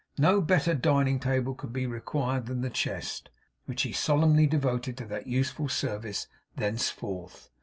No better dining table could be required than the chest, which he solemnly devoted to that useful service thenceforth.